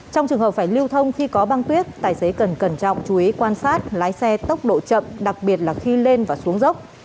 trong trường hợp phải lưu thông khi có băng tuyết tài xế cần cẩn trọng chú ý quan sát lái xe tốc độ chậm đặc biệt là khi lên và xuống dốc